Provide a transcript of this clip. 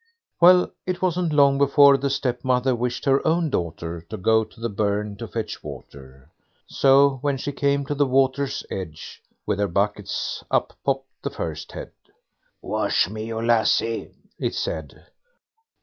Well, it wasn't long before the stepmother wished her own daughter to go to the burn to fetch water. So when she came to the water's edge with her buckets, up popped the first head. "Wash me, you lassie", it said.